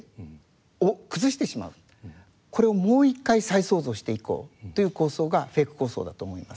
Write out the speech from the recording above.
これをもう一回再創造していこうという構想がＦＥＣ構想だと思います。